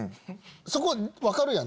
そこ分かるやん！